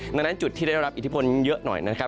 ดังนั้นจุดที่ได้รับอิทธิพลเยอะหน่อยนะครับ